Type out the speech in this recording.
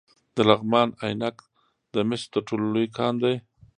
د لغمان عينک د مسو تر ټولو لوی کان دی